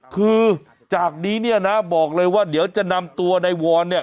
คือจากนี้เนี่ยนะบอกเลยว่าเดี๋ยวจะนำตัวในวรเนี่ย